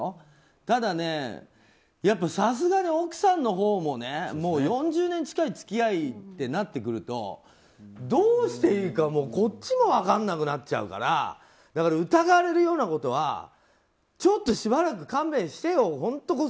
ただ、さすがに奥さんのほうも、もう４０年近い付き合いってなってくるとどうしていいか、こっちも分からなくなっちゃうから疑われるようなことはちょっとしばらく勘弁してよ。